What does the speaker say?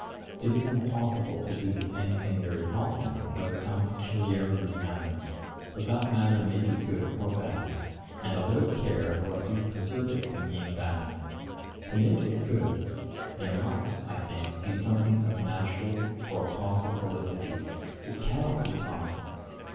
It is impossible to do the same thing very often, without some peculiarity of manner: but that manner may be good or bad, and a little care will at least preserve it from being bad: to make it good, there must, I think, be something of natural or casual felicity, which cannot be taught.